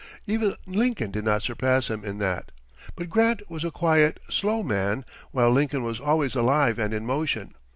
Even Lincoln did not surpass him in that: but Grant was a quiet, slow man while Lincoln was always alive and in motion.